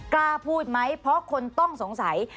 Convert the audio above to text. กล้าพูดไหมเพราะคนต้องสงสัย